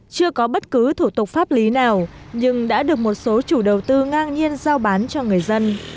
chưa có bất cứ thủ tục pháp lý nào nhưng đã được một số chủ đầu tư ngang nhiên giao bán cho người dân